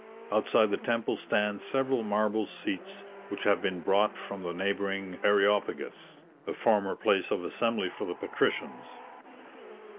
Outside the temple stand several marble seats which have been brought from the neighbouring Areopagus, the former place of assembly for the patricians.